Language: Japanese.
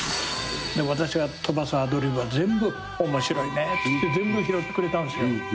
私が飛ばすアドリブは全部面白いねっつって全部拾ってくれたんですよ。